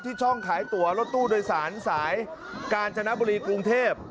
ช่องขายตัวรถตู้โดยสารสายกาญจนบุรีกรุงเทพ